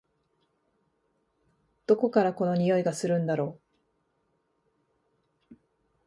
どこからこの匂いがするんだろ？